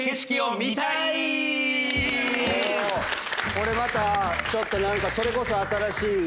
これまたちょっと何かそれこそ新しい角度というか。